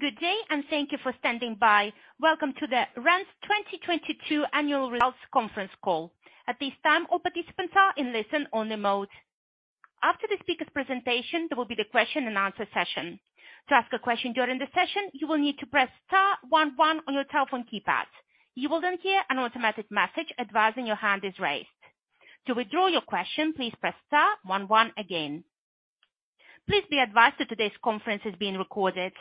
Good day. Thank you for standing by. Welcome to the REN's 2022 Annual Results Conference Call. At this time, all participants are in listen-only mode. After the speaker's presentation, there will be the question-and-answer session. To ask a question during the session, you will need to press star one one on your telephone keypad. You will hear an automatic message advising your hand is raised. To withdraw your question, please press star one one again. Please be advised that today's conference is being recorded.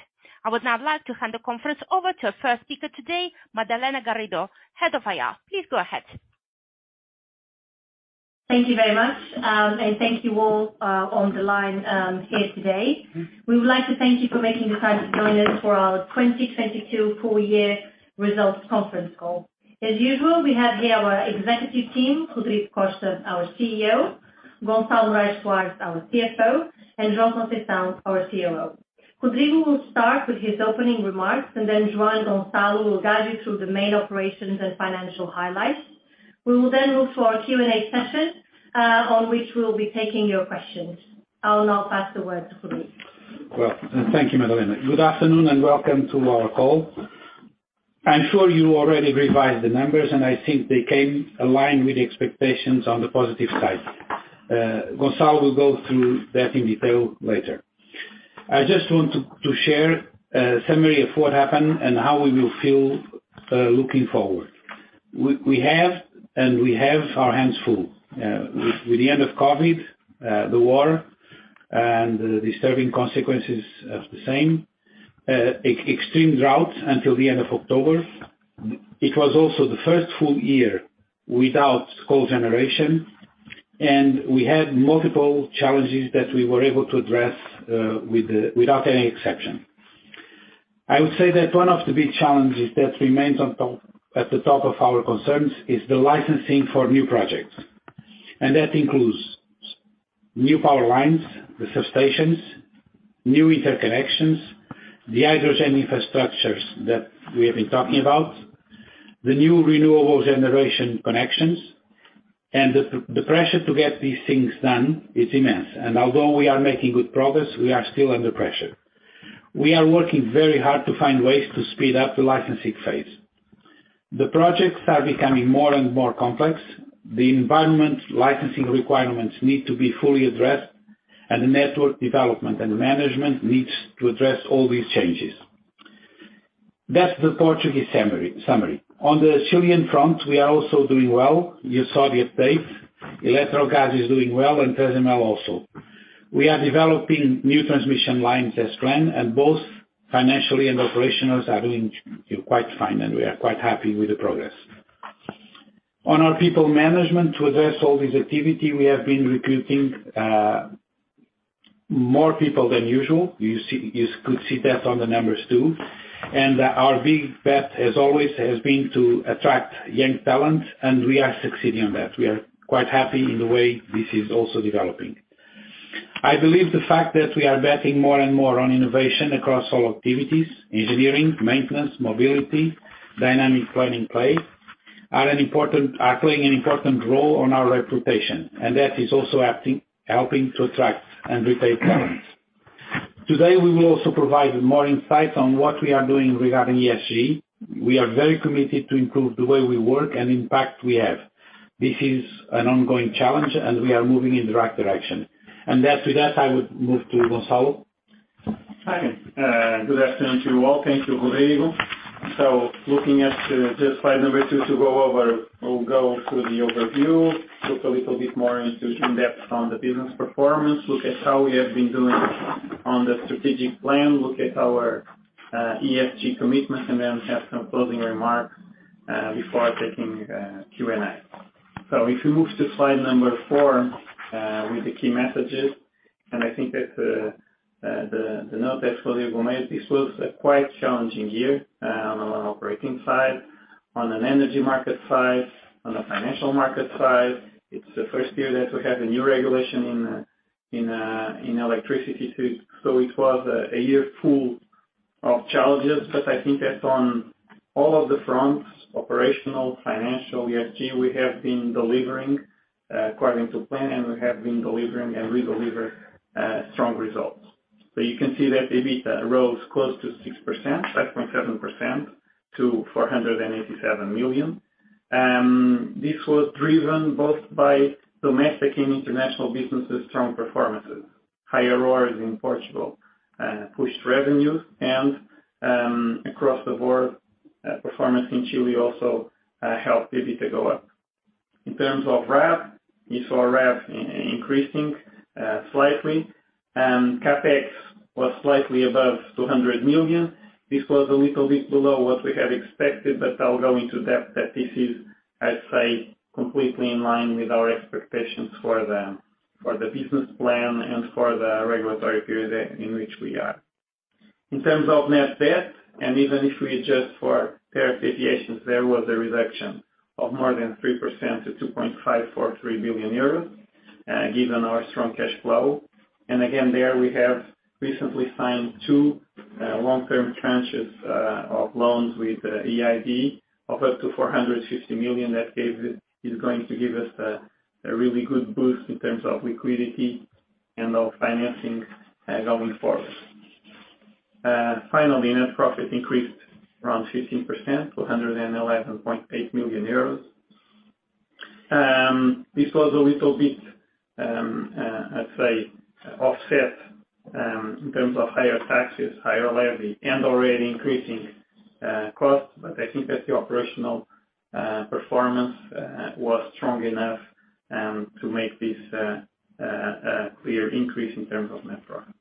I would now like to hand the conference over to our first speaker today, Madalena Garrido, Head of IR. Please go ahead. Thank you very much, and thank you all on the line here today. We would like to thank you for making the time to join us for our 2022 Full Year Results Conference Call. As usual, we have here our Executive Team, Rodrigo Costa, our CEO, Gonçalo Morais Soares, our CFO, and João Conceição, our COO. Rodrigo will start with his opening remarks, and then João and Gonçalo will guide you through the main operations and financial highlights. We will move to our Q&A session on which we will be taking your questions. I will now pass the word to Rodrigo. Well, thank you, Madalena. Good afternoon, welcome to our call. I'm sure you already revised the numbers, I think they came aligned with the expectations on the positive side. Gonçalo will go through that in detail later. I just want to share a summary of what happened and how we will feel looking forward. We have our hands full with the end of COVID, the war and the disturbing consequences of the same, extreme drought until the end of October. It was also the first full year without coal generation, we had multiple challenges that we were able to address without any exception. I would say that one of the big challenges that remains at the top of our concerns is the licensing for new projects. That includes new power lines, the substations, new interconnections, the hydrogen infrastructures that we have been talking about, the new renewable generation connections. The pressure to get these things done is immense. Although we are making good progress, we are still under pressure. We are working very hard to find ways to speed up the licensing phase. The projects are becoming more and more complex. The environment licensing requirements need to be fully addressed, and the network development and management needs to address all these changes. That's the Portuguese summary. On the Chilean front, we are also doing well. You saw the update. Electrogas is doing well, and Transemel also. We are developing new transmission lines as planned, and both financially and operationally are doing quite fine, and we are quite happy with the progress. On our people management, to address all this activity, we have been recruiting more people than usual. You could see that on the numbers, too. Our big bet, as always, has been to attract young talent, and we are succeeding on that. We are quite happy in the way this is also developing. I believe the fact that we are betting more and more on innovation across all activities, engineering, maintenance, mobility, dynamic planning place, are playing an important role on our reputation, and that is also helping to attract and retain talents. Today, we will also provide more insights on what we are doing regarding ESG. We are very committed to improve the way we work and impact we have. This is an ongoing challenge, and we are moving in the right direction. That, with that, I would move to Gonçalo. Hi. Good afternoon to you all. Thank you, Rodrigo. Looking at just slide 2 to go over, we'll go through the overview, look a little bit more into in-depth on the business performance, look at how we have been doing on the strategic plan, look at our ESG commitment, and then have some closing remarks before taking Q&A. If you move to slide 4 with the key messages, and I think that the note that Rodrigo made, this was a quite challenging year on an operating side, on an energy market side, on a financial market side. It's the first year that we have a new regulation in electricity too. It was a year full of challenges. I think that on all of the fronts, operational, financial, ESG, we have been delivering according to plan, and we have been delivering, and we deliver strong results. You can see that EBITDA rose close to 6%, 5.7% to 487 million. This was driven both by domestic and international businesses' strong performances. Higher ROAs in Portugal pushed revenues and across the board performance in Chile also helped EBITDA go up. In terms of RAV, you saw RAV increasing slightly, and CapEx was slightly above 200 million. This was a little bit below what we had expected, but I'll go into depth that this is, I'd say, completely in line with our expectations for the business plan and for the regulatory period in which we are. In terms of net debt, even if we adjust for tariff deviations, there was a reduction of more than 3% to 2.543 billion euros, given our strong cash flow. Again, there we have recently signed two long-term tranches of loans with EIB of up to 450 million. That is going to give us a really good boost in terms of liquidity and of financing going forward. Finally, net profit increased around 15% to 111.8 million euros. This was a little bit, let's say, offset in terms of higher taxes, higher levy, and already increasing costs. I think that the operational performance was strong enough to make this a clear increase in terms of net profit.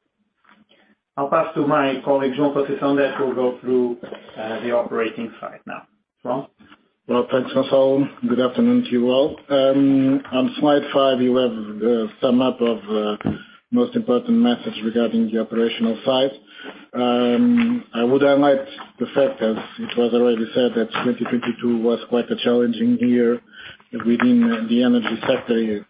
I'll pass to my colleague, João Conceição, that will go through the operating side now. João? Well, thanks, Gonçalo. Good afternoon to you all. On slide 5, you have the sum-up of the most important message regarding the operational side. I would highlight the fact that it was already said that 2022 was quite a challenging year within the energy sector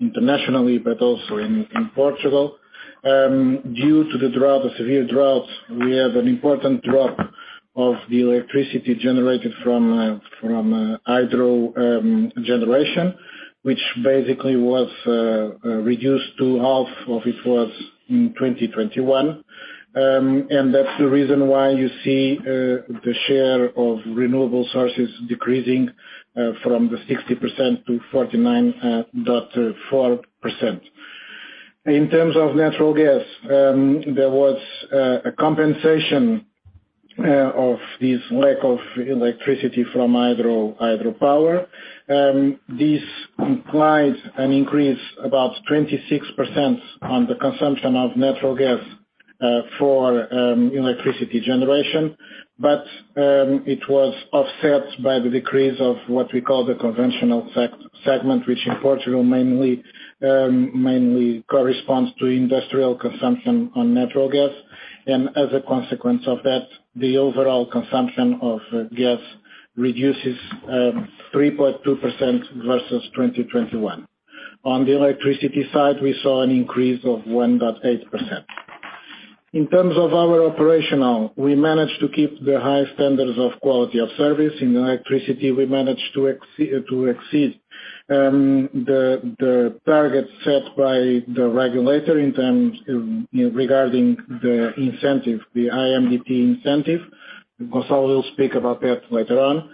internationally, but also in Portugal. Due to the severe droughts, we have an important drop of the electricity generated from hydro generation, which basically was reduced to half of it was in 2021. That's the reason why you see the share of renewable sources decreasing from the 60% to 49.4%. In terms of natural gas, there was a compensation of this lack of electricity from hydropower. This implies an increase about 26% on the consumption of natural gas for electricity generation. It was offset by the decrease of what we call the conventional segment, which in Portugal mainly corresponds to industrial consumption on natural gas. As a consequence of that, the overall consumption of gas reduces 3.2% versus 2021. On the electricity side, we saw an increase of 1.8%. In terms of our operational, we managed to keep the high standards of quality of service. In electricity, we managed to exceed the targets set by the regulator regarding the incentive, the IMDE incentive. Gonçalo will speak about that later on.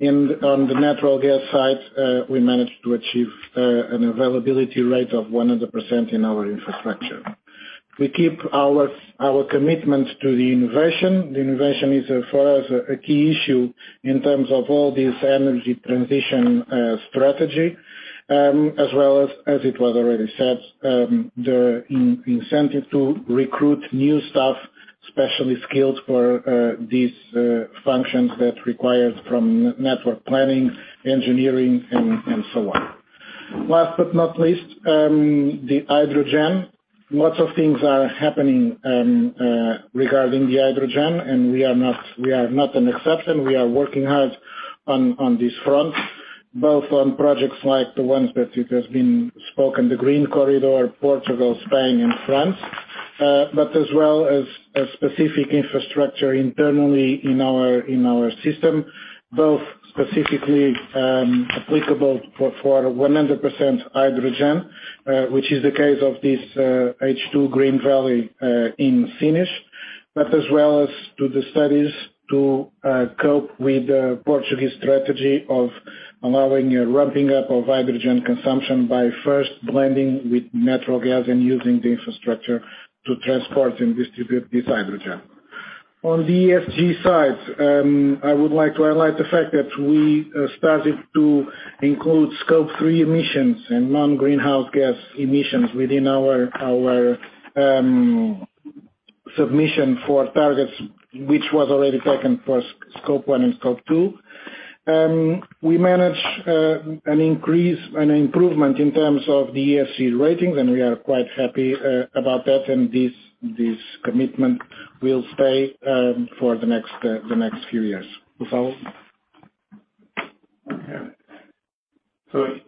On the natural gas side, we managed to achieve an availability rate of 100% in our infrastructure. We keep our commitment to the innovation. The innovation is, for us, a key issue in terms of all this energy transition strategy, as well as it was already said, the incentive to recruit new staff, especially skilled for these functions that requires from network planning, engineering, and so on. Last but not least, the hydrogen. Lots of things are happening regarding the hydrogen. We are not an exception. We are working hard on this front, both on projects like the ones that it has been spoken, the Green Corridor, Portugal, Spain and France. As well as a specific infrastructure internally in our system, both specifically applicable for 100% hydrogen, which is the case of this H2 Green Valley in Sines, as well as to the studies to cope with the Portuguese strategy of allowing a ramping up of hydrogen consumption by first blending with natural gas and using the infrastructure to transport and distribute this hydrogen. On the ESG side, I would like to highlight the fact that we started to include Scope 3 emissions and non-greenhouse gas emissions within our submission for targets, which was already taken for Scope 1 and Scope 2. We managed an increase, an improvement in terms of the ESG ratings. We are quite happy about that. This commitment will stay for the next few years. Gonçalo? Okay.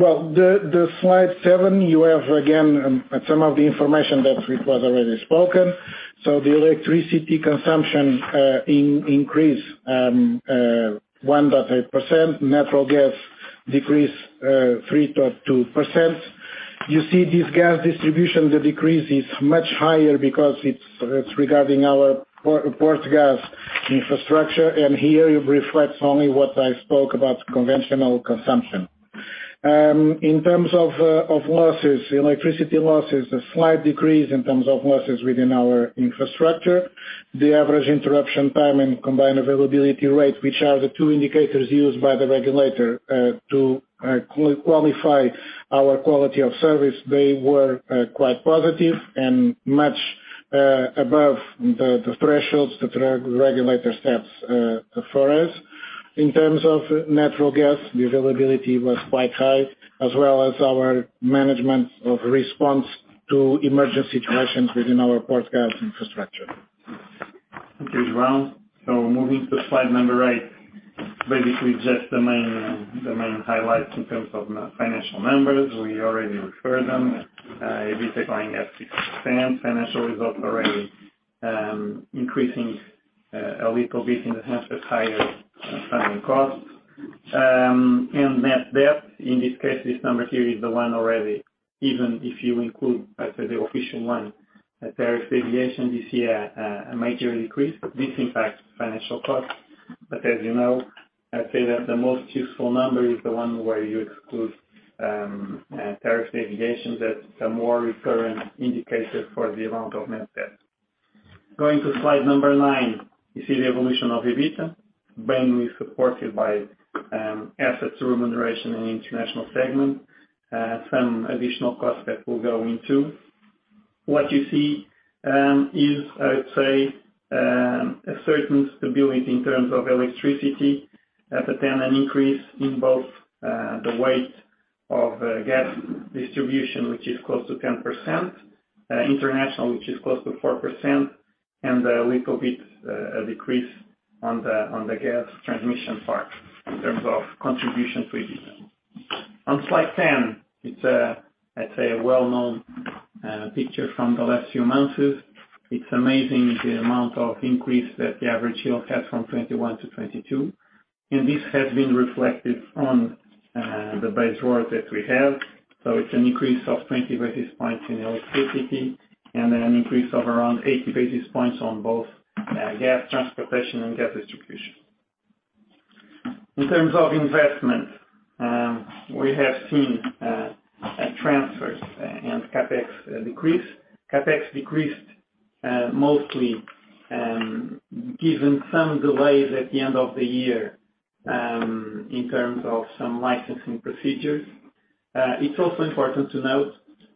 Well, the slide 7, you have again, some of the information that it was already spoken. The electricity consumption increased 1.8%. Natural gas decrease 3.2%. You see this gas distribution, the decrease is much higher because it's regarding our Portgás infrastructure, and here it reflects only what I spoke about conventional consumption. In terms of losses, electricity losses, a slight decrease in terms of losses within our infrastructure. The average interruption time and combined availability rate, which are the two indicators used by the regulator, to qualify our quality of service, they were quite positive and much above the thresholds the regulator sets for us. In terms of natural gas, the availability was quite high, as well as our management of response to emergency situations within our Portgás infrastructure. Okay, João. Moving to slide number 8, basically just the main highlights in terms of financial numbers. We already referred them. EBITDA going up 6%. Financial results already increasing a little bit in the sense that higher funding costs and net debt. In this case, this number here is the one already. Even if you include, let's say, the official one, the tariff deviation, you see a material increase. This impacts financial costs. As you know, I'd say that the most useful number is the one where you exclude tariff deviations. That's a more recurrent indicator for the amount of net debt. Going to slide number 9, you see the evolution of EBITDA, mainly supported by assets remuneration in the international segment, some additional costs that we'll go into. What you see, is, I would say, a certain stability in terms of electricity, but then an increase in both, the weight of gas distribution, which is close to 10%, international, which is close to 4%, and a little bit, a decrease on the gas transmission part in terms of contribution to EBITDA. On slide 10, it's a, I'd say a well-known picture from the last few months. It's amazing the amount of increase that the average yield had from 2021 to 2022, and this has been reflected on, the base work that we have. It's an increase of 20 basis points in electricity and an increase of around 80 basis points on both, gas transportation and gas distribution. In terms of investment, we have seen, transfers and CapEx decrease. CapEx decreased, mostly, given some delays at the end of the year, in terms of some licensing procedures. It's also important to note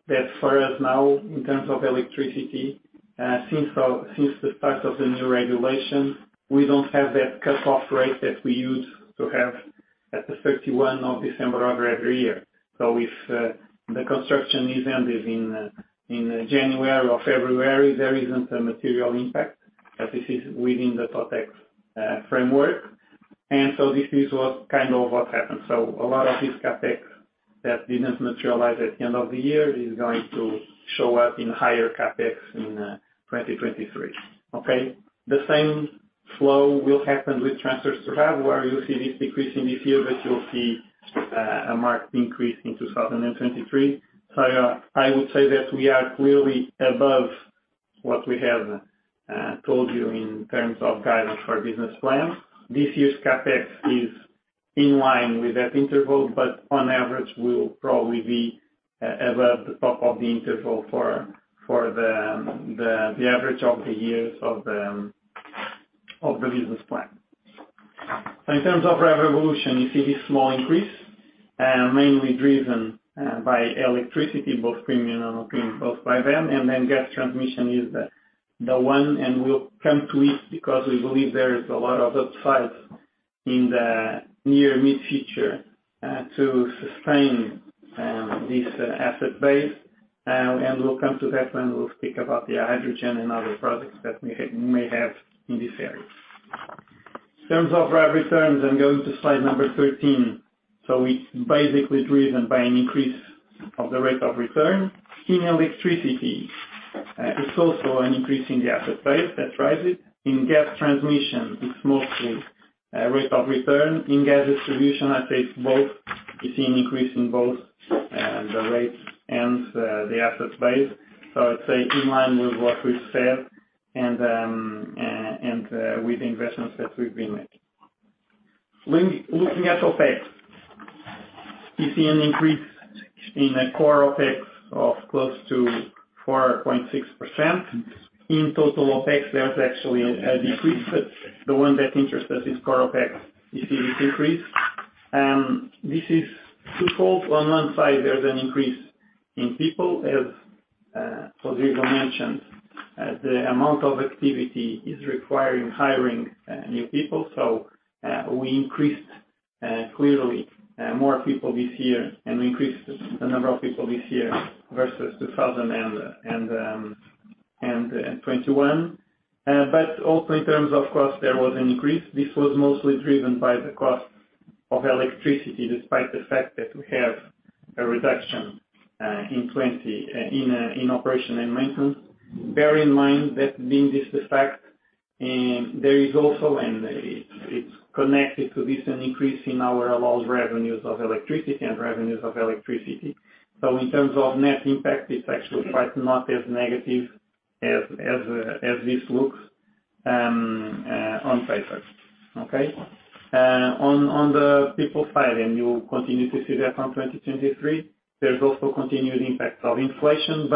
that for us now, in terms of electricity, since the start of the new regulation, we don't have that cut-off rate that we used to have at the 31 of December of every year. If the construction is ended in January or February, there isn't a material impact, as this is within the Totex framework. This is what kind of happened. A lot of this CapEx that didn't materialize at the end of the year is going to show up in higher CapEx in 2023. Okay? The same flow will happen with transfers to RAB, where you see this decrease in this year, but you'll see a marked increase in 2023. I would say that we are clearly above what we have told you in terms of guidance for business plans. This year's CapEx is in line with that interval, but on average, will probably be at the top of the interval for the average of the years of the business plan. In terms of RAB evolution, you see this small increase, mainly driven by electricity, both premium and non-premium, both by then, and then gas transmission is the one, and we'll come to it because we believe there is a lot of upside in the near mid-future to sustain this asset base. We'll come to that when we'll speak about the hydrogen and other products that we may have in this area. In terms of RAB returns, I'm going to slide number 13. It's basically driven by an increase of the rate of return. In electricity, it's also an increase in the asset base that drives it. In gas transmission, it's mostly a rate of return. In gas distribution, I'd say it's both. You see an increase in both the rates and the asset base. I'd say in line with what we've said, and with the investments that we've been making. When looking at OpEx, you see an increase in the core OpEx of close to 4.6%. In total OpEx, there's actually a decrease, but the one that interests us is core OpEx. You see this increase. This is twofold. On one side, there's an increase in people, as Rodrigo mentioned, the amount of activity is requiring hiring new people. We increased clearly more people this year, and we increased the number of people this year versus 2021. Also in terms of cost, there was an increase. This was mostly driven by the cost of electricity, despite the fact that we have a reduction in operation and maintenance. Bear in mind that being this the fact, and there is also, and it's connected to this, an increase in our allowed revenues of electricity and revenues of electricity. In terms of net impact, it's actually quite not as negative as this looks on paper. Okay? On the people side, you'll continue to see that on 2023, there's also continued impact of inflation,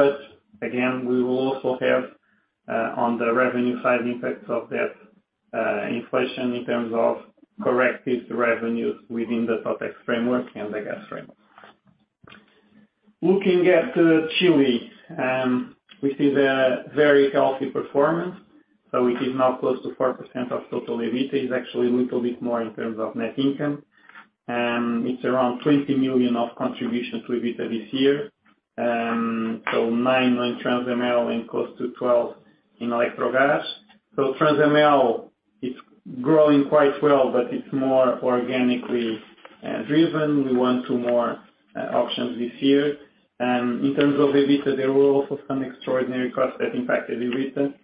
again, we will also have, on the revenue side, impacts of that inflation in terms of corrected revenues within the Totex framework and the gas framework. Looking at Chile, we see the very healthy performance, it is now close to 4% of total EBITDA. It's actually a little bit more in terms of net income, it's around 20 million of contribution to EBITDA this year. 9 on Transemel and close to 12 in Electrogas. Transemel is growing quite well, but it's more organically driven. We won 2 more auctions this year. In terms of EBITDA, there were also some extraordinary costs that impacted EBITDA.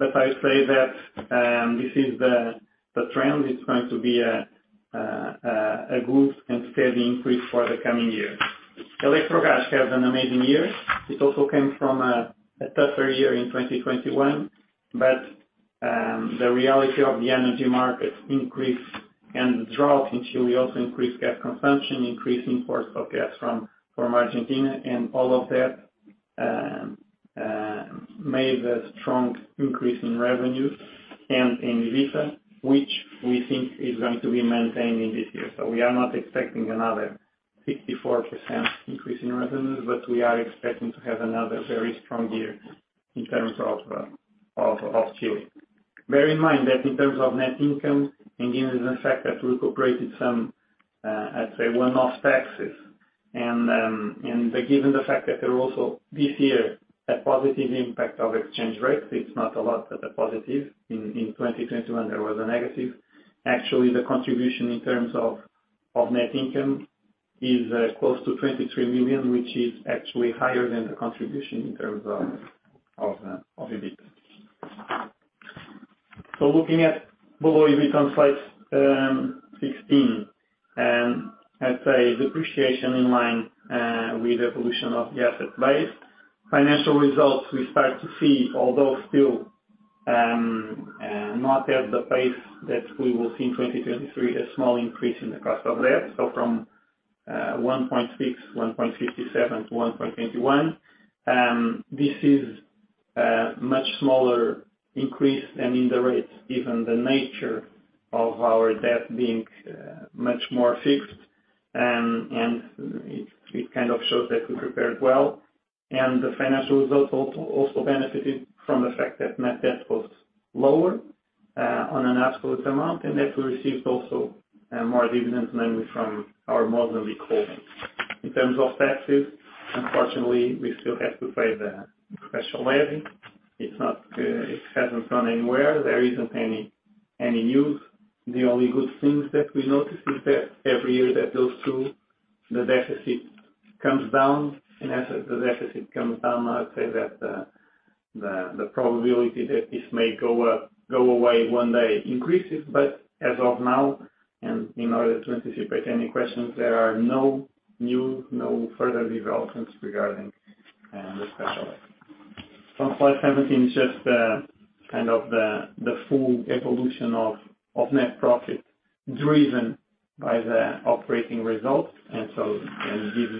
I say that this is the trend. It's going to be a good and steady increase for the coming year. Electrogas has an amazing year. It also came from a tougher year in 2021, but the reality of the energy market increase and drought in Chile also increased gas consumption, increased imports of gas from Argentina and all of that made a strong increase in revenues and in EBITDA, which we think is going to be maintained in this year. We are not expecting another 54% increase in revenues, but we are expecting to have another very strong year in terms of Chile. Bear in mind that in terms of net income, and given the fact that we've operated some, I'd say one-off taxes and, given the fact that they're also this year a positive impact of exchange rates, it's not a lot, but a positive. In 2021 there was a negative. Actually, the contribution in terms of net income is close to 23 million, which is actually higher than the contribution in terms of EBITDA. Looking at below EBITDA on slide 16, I'd say depreciation in line with the evolution of the asset base. Financial results we start to see, although still not at the pace that we will see in 2023, a small increase in the cost of debt. From 1.6, 1.57 to 1.21. This is a much smaller increase than in the rates, given the nature of our debt being much more fixed. It kind of shows that we prepared well. The financial results also benefited from the fact that net debt was lower on an absolute amount, and that we received also more dividends mainly from our Mozambique holdings. In terms of taxes, unfortunately, we still have to pay the special levy. It's not, it hasn't gone anywhere. There isn't any news. The only good things that we notice is that every year that those two, the deficit comes down, and as the deficit comes down, I would say that the probability that this may go away one day increases. As of now, and in order to anticipate any questions, there are no new, no further developments regarding the special levy. From slide 17, just the, kind of the full evolution of net profit driven by the operating results. This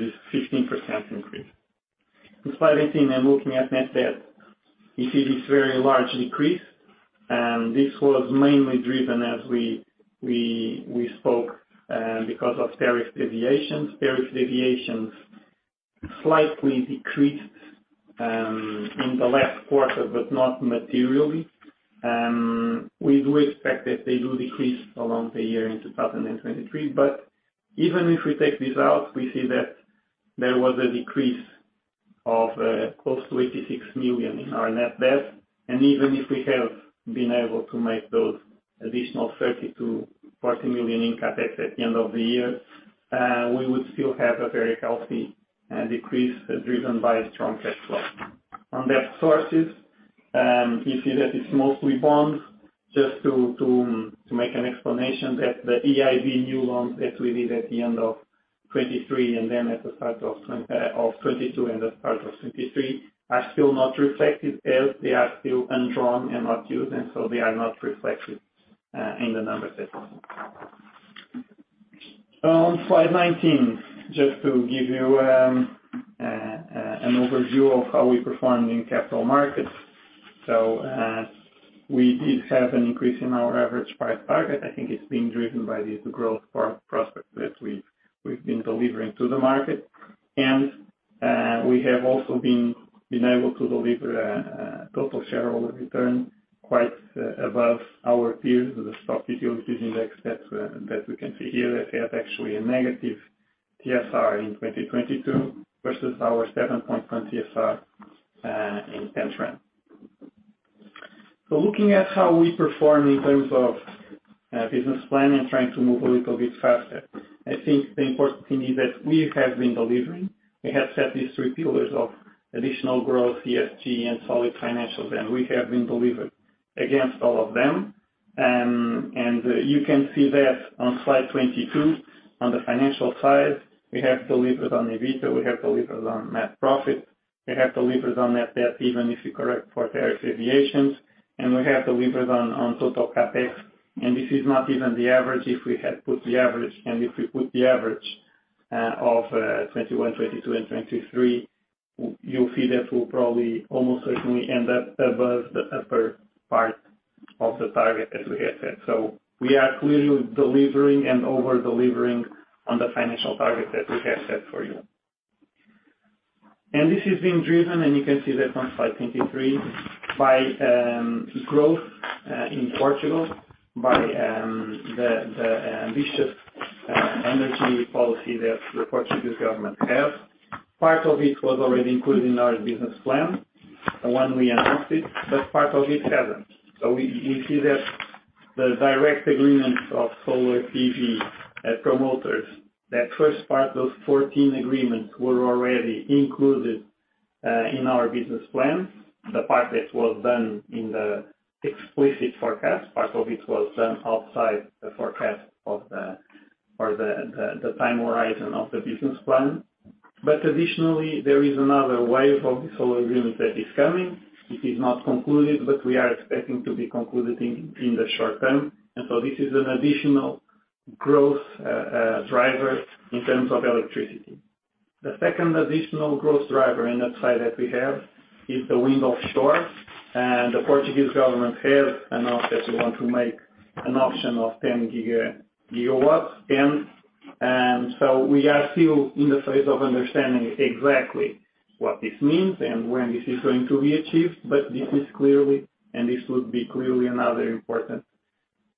is 15% increase. In slide 18, looking at net debt, you see this very large decrease, and this was mainly driven as we spoke because of tariff deviations. Tariff deviations slightly decreased in the last quarter, but not materially. We do expect that they will decrease along the year in 2023. Even if we take this out, we see that there was a decrease of close to 86 million in our net debt. Even if we have been able to make those additional 30 million-40 million in CapEx at the end of the year, we would still have a very healthy decrease driven by strong cash flow. On debt sources, you see that it's mostly bonds. To make an explanation that the EIB new loans that we did at the end of 2023 and then at the start of 2022 and the start of 2023 are still not reflected as they are still undrawn and not used, and so they are not reflected in the numbers that. Slide 19, to give you an overview of how we performed in capital markets. We did have an increase in our average price target. I think it's being driven by the growth prospect that we've been delivering to the market. We have also been enabled to deliver total shareholder return quite above our peers with the stock utilities index that we can see here. They have actually a negative TSR in 2022 versus our 7.1% TSR in year trend. Looking at how we perform in terms of business plan and trying to move a little bit faster, I think the important thing is that we have been delivering. We have set these three pillars of additional growth, ESG, and solid financials, and we have been delivered against all of them. You can see that on slide 22 on the financial side, we have delivered on EBITDA, we have delivered on net profit, we have delivered on net debt, even if you correct for tariff deviations, and we have delivered on total CapEx. This is not even the average. If we had put the average, and if we put the average, of 2021, 2022 and 2023, you'll see that we'll probably almost certainly end up above the upper part of the target as we had said. We are clearly delivering and over-delivering on the financial targets that we have set for you. This is being driven, and you can see that on slide 23, by growth in Portugal, by the ambitious energy policy that the Portuguese government have. Part of it was already included in our business plan, the one we announced it, but part of it hasn't. We see that the direct agreements of solar PV promoters, that first part, those 14 agreements were already included in our business plan, the part that was done in the explicit forecast, part of it was done outside the forecast of or the time horizon of the business plan. Additionally, there is another wave of solar agreement that is coming. It is not concluded, but we are expecting to be concluded in the short term. This is an additional growth driver in terms of electricity. The second additional growth driver in that side that we have is the wind offshore. The Portuguese government have announced that they want to make an auction of 10 gigawatts. We are still in the phase of understanding exactly what this means and when this is going to be achieved. This is clearly and this would be clearly another important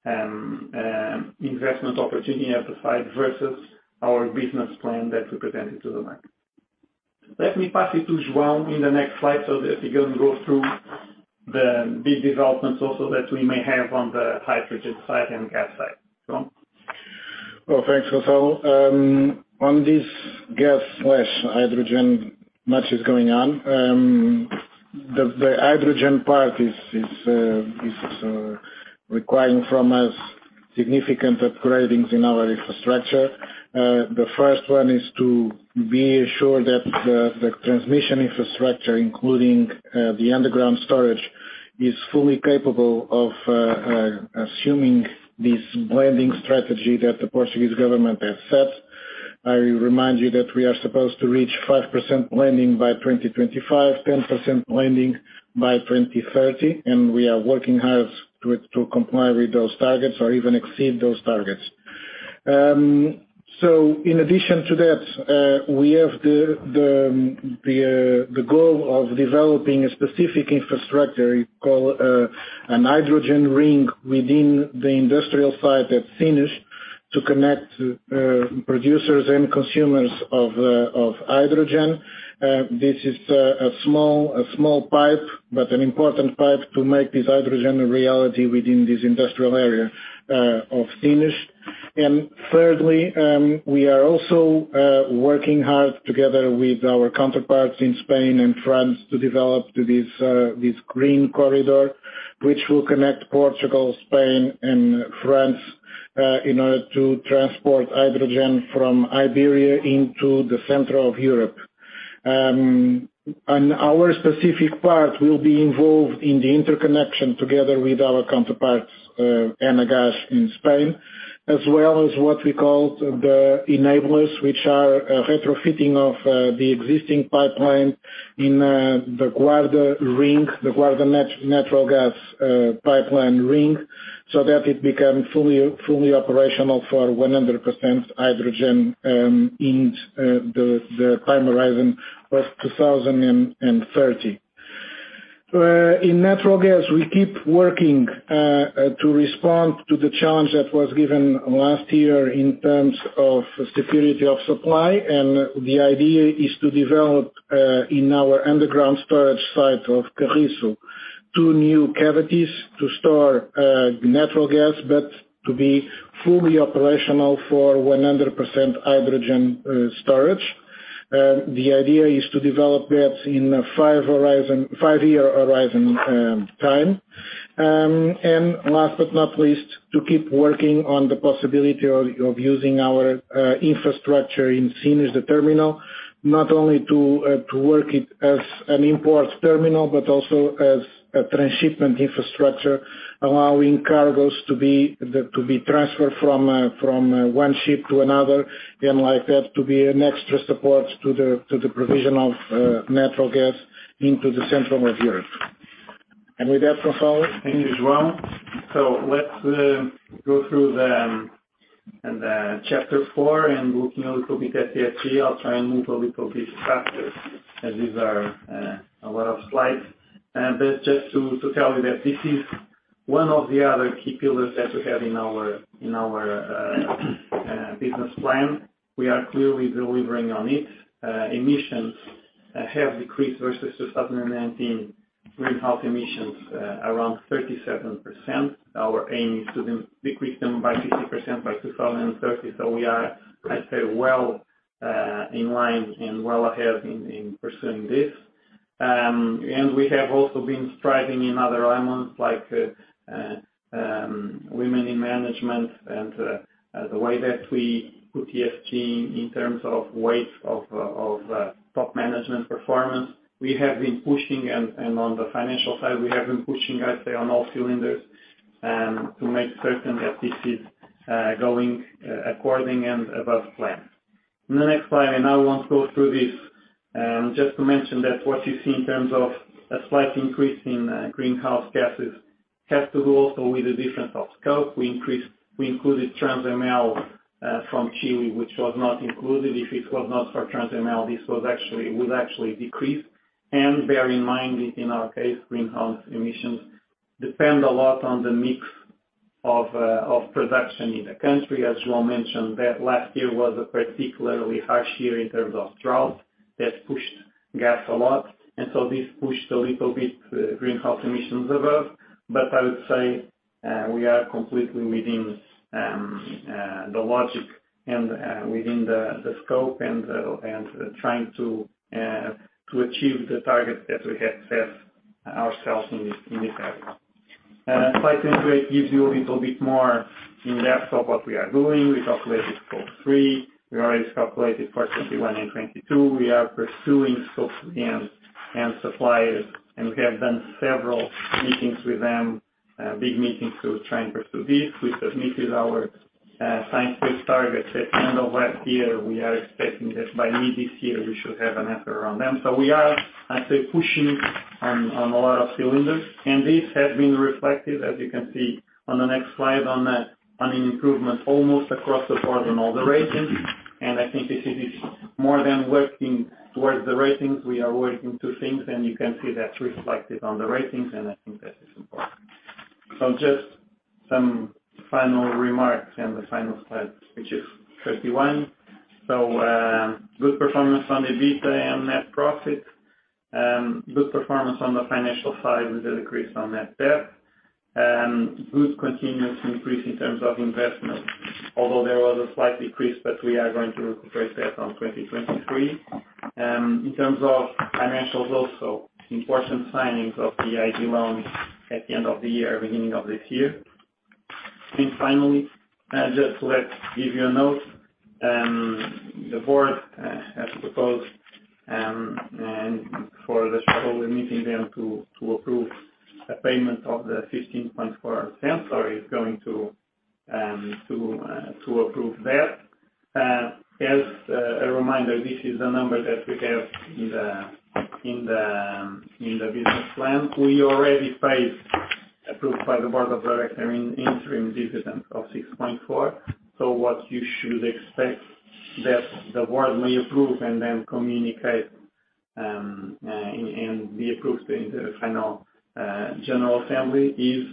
investment opportunity at the site versus our business plan that we presented to the market. Let me pass it to João in the next slide so that he can go through the big developments also that we may have on the hydrogen side and gas side. João. Well, thanks, Gonçalo. On this gas/hydrogen, much is going on. The hydrogen part is requiring from us significant upgradings in our infrastructure. The first one is to be assured that the transmission infrastructure, including the underground storage, is fully capable of assuming this blending strategy that the Portuguese government has set. I remind you that we are supposed to reach 5% blending by 2025, 10% blending by 2030, and we are working hard to comply with those targets or even exceed those targets. In addition to that, we have the goal of developing a specific infrastructure we call an hydrogen ring within the industrial site at Sines to connect producers and consumers of hydrogen. This is a small pipe, but an important pipe to make this hydrogen a reality within this industrial area of Sines. Thirdly, we are also working hard together with our counterparts in Spain and France to develop this green corridor, which will connect Portugal, Spain and France in order to transport hydrogen from Iberia into the center of Europe. Our specific part will be involved in the interconnection together with our counterparts, Enagás in Spain, as well as what we call the enablers, which are a retrofitting of the existing pipeline in the Guarda ring, the Guarda Natural Gas pipeline ring, so that it become fully operational for 100% hydrogen in the time horizon of 2030. In natural gas, we keep working to respond to the challenge that was given last year in terms of security of supply. The idea is to develop, in our underground storage site of Carriço, two new cavities to store natural gas, but to be fully operational for 100% hydrogen storage. The idea is to develop that in a five-year horizon time. Last but not least, to keep working on the possibility of using our infrastructure in Sines, the terminal, not only to work it as an import terminal, but also as a transshipment infrastructure, allowing cargos to be transferred from one ship to another, and like that to be an extra support to the provision of natural gas into the center of Europe. With that, Gonçalo. Thank you, João. Let's go through the chapter four and looking a little bit at ESG. I'll try and move a little bit faster as these are a lot of slides. But just to tell you that this is one of the other key pillars that we have in our, in our business plan. We are clearly delivering on it. Emissions have decreased versus 2019 greenhouse emissions, around 37%. Our aim is to decrease them by 50% by 2030. We are, I'd say, well, in line and well ahead in pursuing this. We have also been striving in other elements like women in management and the way that we put ESG in terms of weights of top management performance. We have been pushing and on the financial side, we have been pushing, I'd say, on all cylinders, to make certain that this is going according and above plan. In the next slide, I now want to go through this, just to mention that what you see in terms of a slight increase in greenhouse gases has to do also with the difference of scope. We included Transemel from Chile, which was not included. If it was not for Transemel, this would actually decrease. Bear in mind, in our case, greenhouse emissions depend a lot on the mix of production in the country. As João mentioned, that last year was a particularly harsh year in terms of drought that pushed gas a lot. This pushed a little bit greenhouse emissions above. I would say, we are completely within the logic and within the scope and trying to achieve the targets that we have set ourselves in this area. Slide 28 gives you a little bit more in depth of what we are doing. We calculated Scope 3. We already calculated for 21 and 22. We are pursuing scope again and suppliers, and we have done several meetings with them, big meetings to try and pursue this. We submitted our science-based targets at the end of last year. We are expecting that by mid this year, we should have an answer on them. We are, I say, pushing on a lot of cylinders. This has been reflected, as you can see on the next slide, on an improvement almost across the board on all the ratings. I think this is more than working towards the ratings. We are working to things, and you can see that reflected on the ratings, and I think that is important. Just some final remarks and the final slide, which is 21. Good performance on the EBITDA and net profit. Good performance on the financial side with the decrease on net debt. Good continuous increase in terms of investment. Although there was a slight decrease, but we are going to recuperate that on 2023. In terms of financials also, important signings of the IG loans at the end of the year, beginning of this year. Finally, just to let give you a note, the board has proposed for the shareholder meeting them to approve a payment of 0.154, or is going to approve that. As a reminder, this is a number that we have in the business plan. We already paid, approved by the board of directors in interim dividends of 0.064. What you should expect that the board may approve and then communicate and be approved in the final general assembly is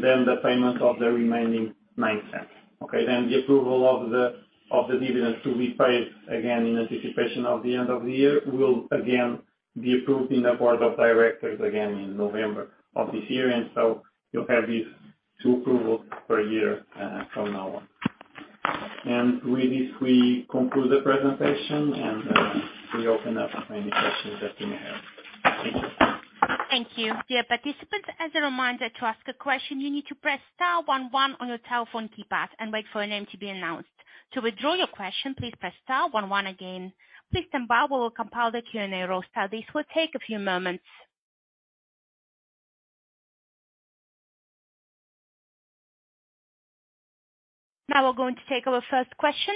then the payment of the remaining 0.09. The approval of the dividends to be paid again in anticipation of the end of the year will again be approved in the board of directors again in November of this year. You'll have these two approvals per year from now on. We conclude the presentation and we open up for any questions that you may have. Thank you. Thank you. Dear participants, as a reminder, to ask a question, you need to press star one one on your telephone keypad and wait for a name to be announced. To withdraw your question, please press star one one again. Please stand by while we compile the Q&A roster. This will take a few moments. Now we're going to take our first question.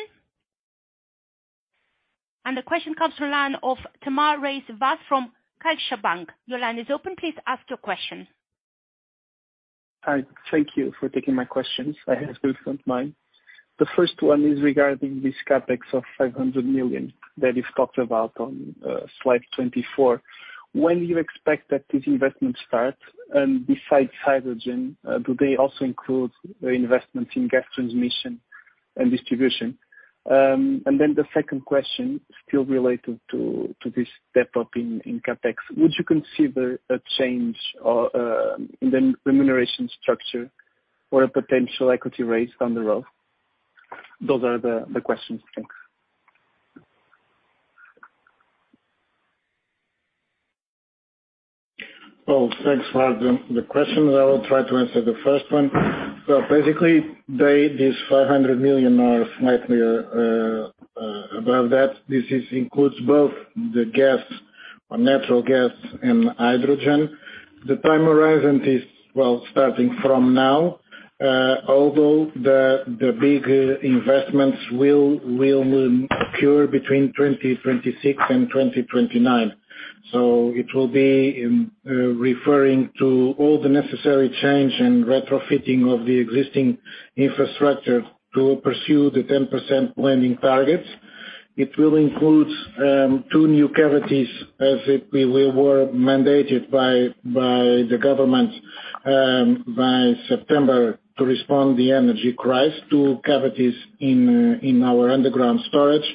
The question comes from line of Tomás Reis Vaz from CaixaBank. Your line is open. Please ask your question. Hi. Thank you for taking my questions. I have two if don't mind. The first one is regarding this CapEx of 500 million that is talked about on slide 24. When you expect that this investment start? Besides hydrogen, do they also include investments in gas transmission and distribution? The second question, still related to this step up in CapEx, would you consider a change or in the remuneration structure or a potential equity raise down the road? Those are the questions. Thanks. Well, thanks for the questions. I will try to answer the first one. Basically, this 500 million or slightly above that, this is includes both the gas or natural gas and hydrogen. The time horizon is, well, starting from now, although the big investments will occur between 2026 and 2029. It will be in referring to all the necessary change and retrofitting of the existing infrastructure to pursue the 10% blending targets. It will include two new cavities as it we were mandated by the government by September to respond the energy crisis to cavities in our underground storage.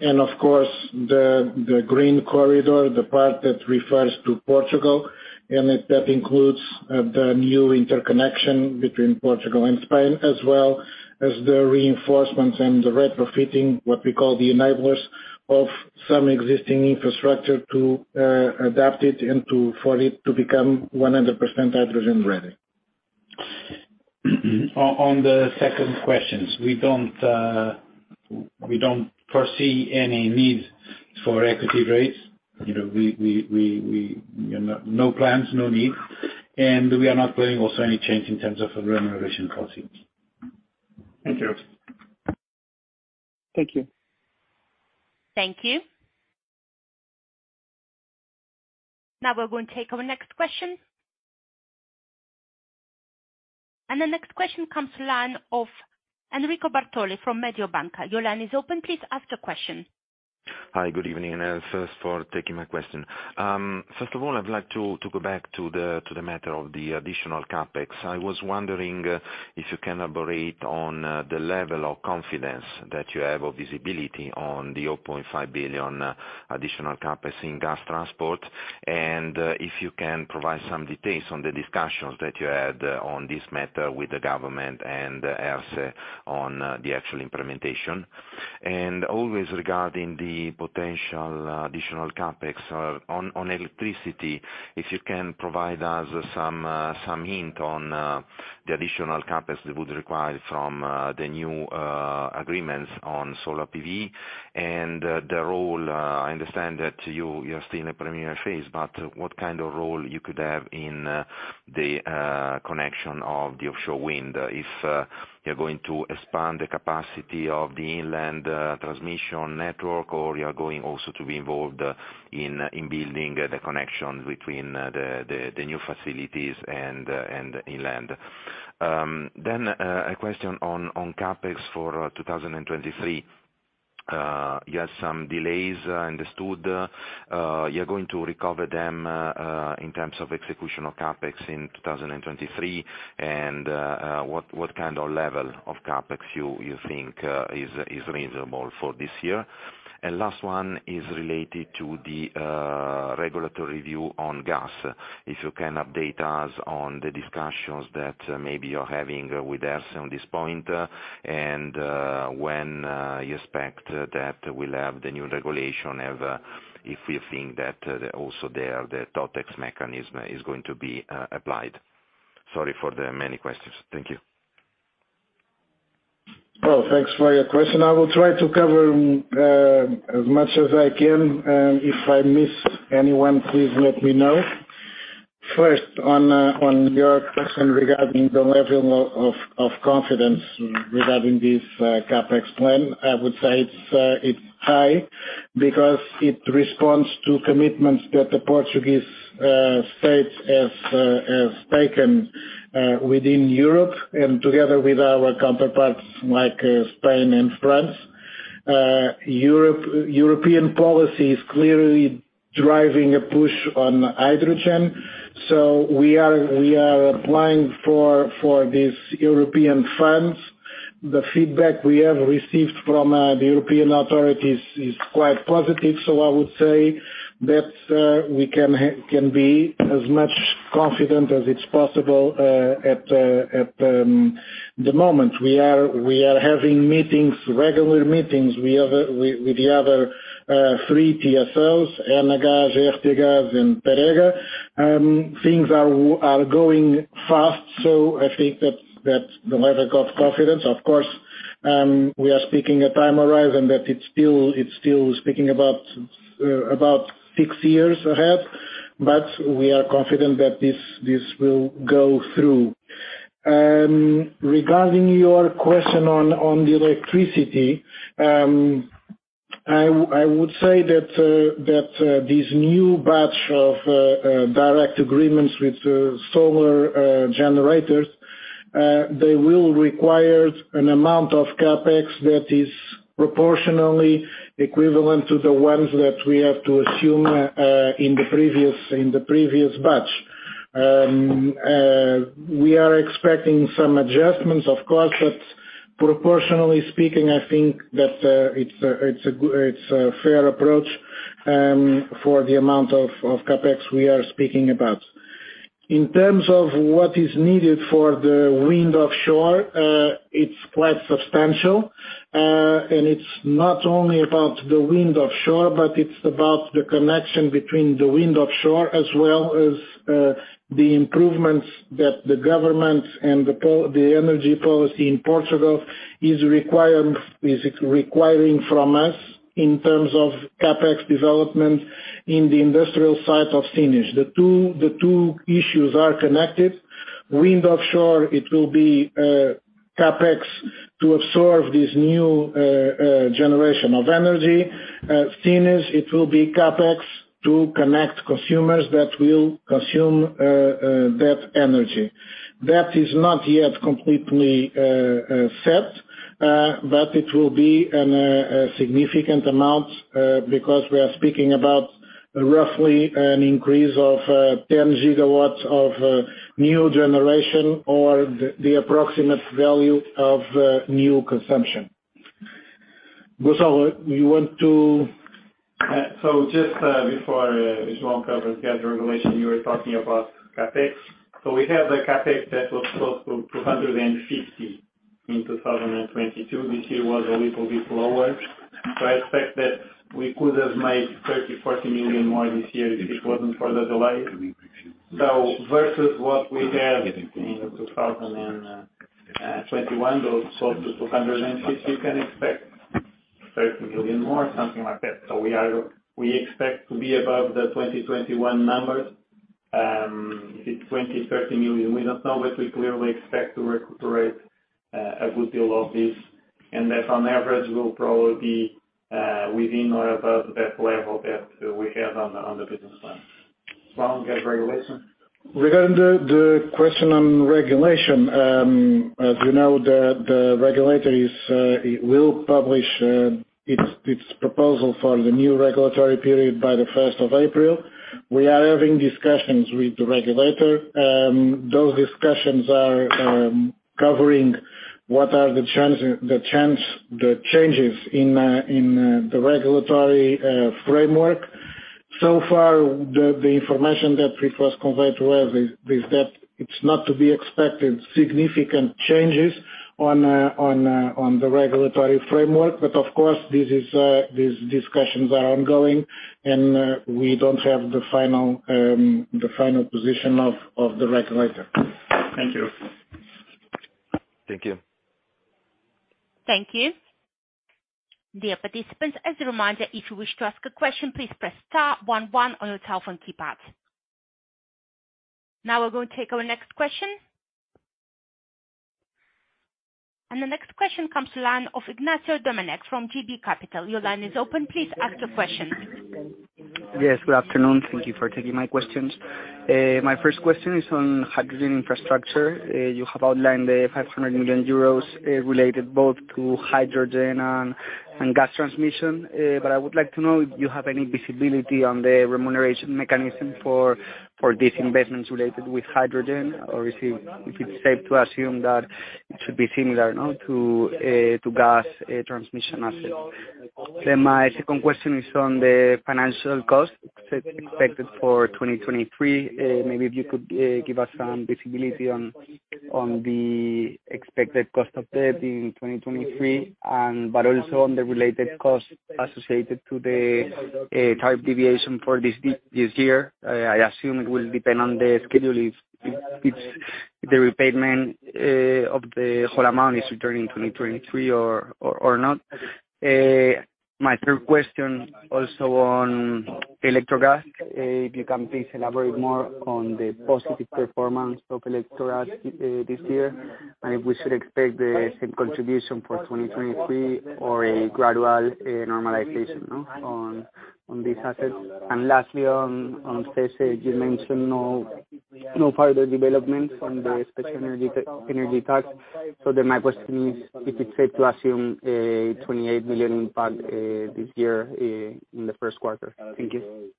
Of course, the Green Corridor, the part that refers to Portugal, and that includes the new interconnection between Portugal and Spain, as well as the reinforcements and the retrofitting, what we call the enablers of some existing infrastructure to adapt it and for it to become 100% hydrogen-ready. On the second questions, we don't, we don't foresee any need for equity raise. You know, we, you know, no plans, no need. We are not planning also any change in terms of remuneration policy. Thank you. Thank you. Thank you. Now we're going to take our next question. The next question comes line of Enrico Bartoli from Mediobanca. Your line is open. Please ask your question. Hi, good evening, thanks for taking my question. First of all, I'd like to go back to the matter of the additional CapEx. I was wondering if you can elaborate on the level of confidence that you have of visibility on the 0.5 billion additional CapEx in gas transport. If you can provide some details on the discussions that you had on this matter with the government and ERSE on the actual implementation. Always regarding the potential additional CapEx on electricity, if you can provide us some hint on the additional CapEx that would require from the new agreements on solar PV and the role. I understand that you're still in the preliminary phase, but what kind of role you could have in the connection of the offshore wind, if you're going to expand the capacity of the inland transmission network, or you are going also to be involved in building the connection between the new facilities and inland. A question on CapEx for 2023. You have some delays understood. You're going to recover them in terms of execution of CapEx in 2023. What kind of level of CapEx you think is reasonable for this year? Last one is related to the regulatory view on gas. If you can update us on the discussions that maybe you're having with ERSE on this point, and when you expect that we'll have the new regulation, if we think that also there, the TotEx mechanism is going to be applied. Sorry for the many questions. Thank you. Well, thanks for your question. I will try to cover as much as I can, and if I miss anyone, please let me know. First, on your question regarding the level of confidence regarding this CapEx plan, I would say it's high because it responds to commitments that the Portuguese state has taken within Europe and together with our counterparts like Spain and France. Europe-European policy is clearly driving a push on hydrogen, so we are applying for these European funds. The feedback we have received from the European authorities is quite positive, so I would say that we can be as much confident as it's possible at the moment. We are having meetings, regular meetings. We have with the other 3 TSOs, Enagás, GRTgaz, and Teréga. Things are going fast, so I think that's the level of confidence. Of course, we are speaking a time horizon that it's still speaking about 6 years ahead, but we are confident that this will go through. Regarding your question on the electricity, I would say that this new batch of direct agreements with solar generators, they will require an amount of CapEx that is proportionally equivalent to the ones that we have to assume in the previous batch. We are expecting some adjustments, of course, but proportionally speaking, I think that it's a fair approach for the amount of CapEx we are speaking about. In terms of what is needed for the wind offshore, it's quite substantial. It's not only about the wind offshore, but it's about the connection between the wind offshore as well as the improvements that the government and the energy policy in Portugal is requiring from us in terms of CapEx development in the industrial site of Sines. The two issues are connected. Wind offshore, it will be CapEx to absorb this new generation of energy. Sines, it will be CapEx to connect consumers that will consume that energy. That is not yet completely set, but it will be an a significant amount, because we are speaking about roughly an increase of 10 gigawatts of new generation or the approximate value of new consumption. Gonçalo, you want to-. Just before João covers the other regulation you were talking about CapEx. We have a CapEx that was close to 250 in 2022. This year was a little bit lower. I expect that we could have made 30 million, 40 million more this year if it wasn't for the delay. Versus what we had in 2021, those close to 250, you can expect 30 million more, something like that. We expect to recuperate a good deal of this, and that on average will probably within or above that level that we have on the business plan. João, you got a regulation? Regarding the question on regulation, as you know, the regulator will publish its proposal for the new regulatory period by the first of April. Those discussions are covering what are the changes in the regulatory framework. Far, the information that we first conveyed to have is that it's not to be expected significant changes on the regulatory framework. Of course, this is these discussions are ongoing and we don't have the final position of the regulator. Thank you. Thank you. Thank you. Dear participants, as a reminder, if you wish to ask a question, please press star one one on your telephone keypad. Now we're going to take our next question. The next question comes to line of Ignacio Doménech from JB Capital. Your line is open, please ask the question. Yes, good afternoon. Thank you for taking my questions. My first question is on hydrogen infrastructure. You have outlined the 500 million euros related both to hydrogen and gas transmission. I would like to know if you have any visibility on the remuneration mechanism for these investments related with hydrogen. If it's safe to assume that it should be similar to gas transmission asset. My second question is on the financial cost expected for 2023. Maybe if you could give us some visibility on the expected cost of debt in 2023 but also on the related costs associated to the tariff deviation for this year. I assume it will depend on the schedule if the repayment of the whole amount is returned in 2023 or not. My third question also on Electrogas. If you can please elaborate more on the positive performance of Electrogas this year, and if we should expect the same contribution for 2023 or a gradual normalization on these assets. Lastly, on CESE, you mentioned no further development on the special energy tax. My question is if it's safe to assume a 28 million impact this year in the first quarter. Thank you.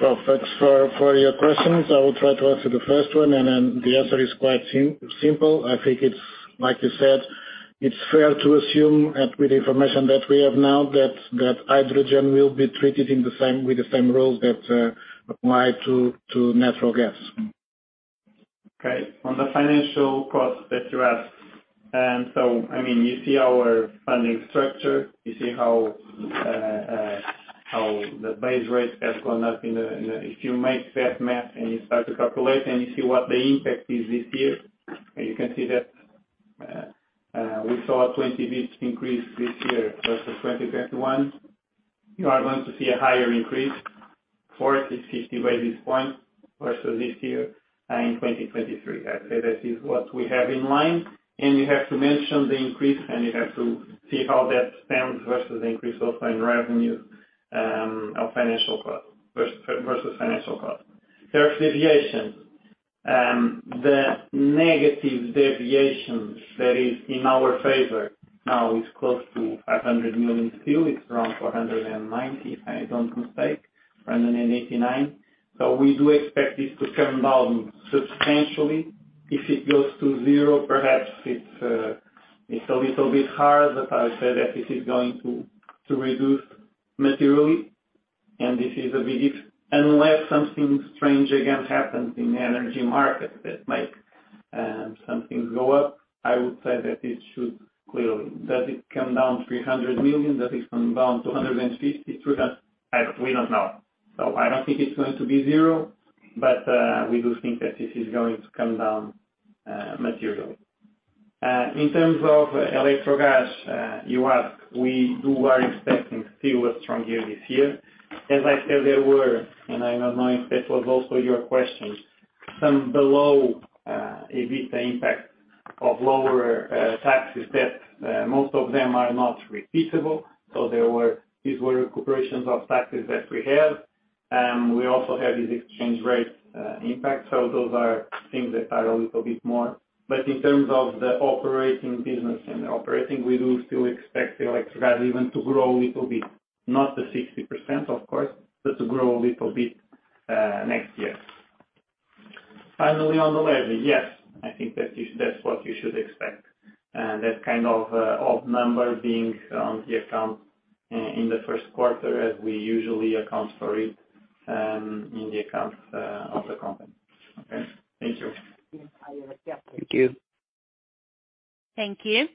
Well, thanks for your questions. I will try to answer the first one. The answer is quite simple. I think it's like you said, it's fair to assume, with the information that we have now that hydrogen will be treated with the same rules that apply to natural gas. Okay. On the financial cost that you asked, and so, I mean, you see our funding structure. You see how the base rate has gone up in the, if you make that math and you start to calculate and you see what the impact is this year, you can see that we saw a 20 basis points increase this year versus 2021. You are going to see a higher increase, 40-50 basis points versus this year in 2023. I'd say that is what we have in line. You have to mention the increase, and you have to see how that stands versus the increase also in revenue, of financial cost versus financial cost. There are deviations. The negative deviations that is in our favor now is close to 500 million still. It's around 490, if I don't mistake, 489. We do expect this to come down substantially. If it goes to zero, perhaps it's a little bit hard, but I said that this is going to reduce materially. This is a belief. Unless something strange again happens in the energy market that make something go up, I would say that it should clearly. Does it come down 300 million? Does it come down 250 million, 200 million? We don't know. I don't think it's going to be zero, but we do think that this is going to come down materially. In terms of Electrogas, you ask, we are expecting still a strong year this year. As I said, there were, and I don't know if that was also your question, some below EBITDA impact of lower taxes that most of them are not repeatable. These were recuperations of taxes that we have. We also have these exchange rate impact. Those are things that are a little bit more. In terms of the operating business and operating, we do still expect the Electrogas even to grow a little bit, not to 60%, of course, but to grow a little bit next year. Finally, on the levy. Yes, I think that's what you should expect. That kind of odd number being on the account in the first quarter as we usually account for it in the accounts of the company. Okay. Thank you. Thank you. Thank you.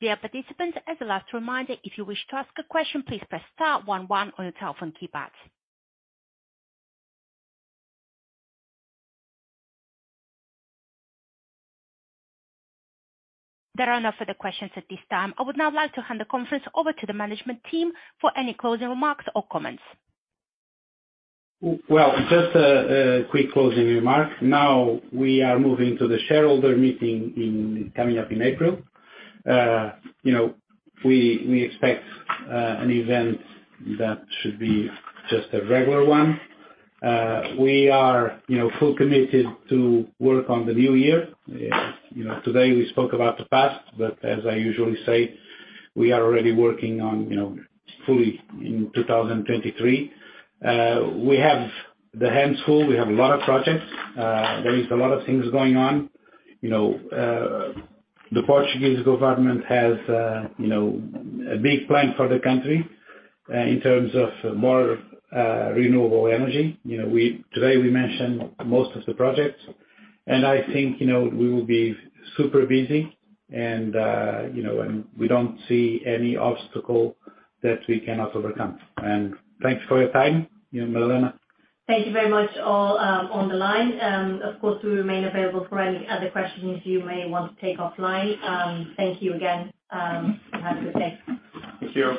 Dear participants, as a last reminder, if you wish to ask a question, please press star one one on your telephone keypad. There are no further questions at this time. I would now like to hand the conference over to the management team for any closing remarks or comments. Well, just a quick closing remark. We are moving to the shareholder meeting in coming up in April. You know, we expect an event that should be just a regular one. We are, you know, full committed to work on the new year. You know, today we spoke about the past, as I usually say, we are already working on, you know, fully in 2023. We have the hands full. We have a lot of projects. There is a lot of things going on. You know, the Portuguese government has, you know, a big plan for the country in terms of more renewable energy. You know, we today we mentioned most of the projects, and I think, you know, we will be super busy and, you know, and we don't see any obstacle that we cannot overcome. Thanks for your time. Madalena? Thank you very much all on the line. Of course we remain available for any other questions you may want to take offline. Thank you again. Have a good day. Thank you.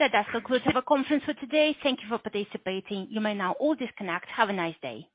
That does conclude our conference for today. Thank you for participating. You may now all disconnect. Have a nice day.